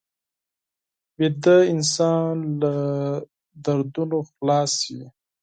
ویده انسان له دردونو خلاص وي